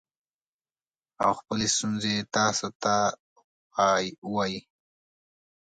او خپلې ستونزې تاسو ته ووايي